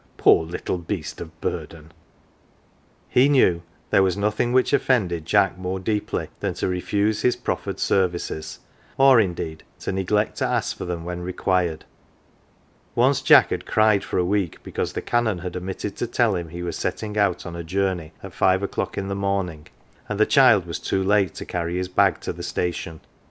Poor little beast of burden !" 196 LITTLE PAUPERS He knew there was nothing which offended Jack more deeply than to refuse his proffered services, or, indeed, to neglect to ask for them when required. Once Jack had cried for a week because the Canon had omitted to tell him he was setting out on a journey at five o'clock in the morning, and the child was too late to carry his bag to the station.